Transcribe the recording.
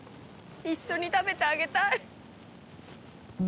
一緒に食べてあげたい。